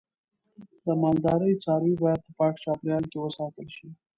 د مالدارۍ څاروی باید په پاک چاپیریال کې وساتل شي.